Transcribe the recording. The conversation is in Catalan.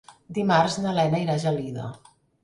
Dimarts na Lena irà a Gelida.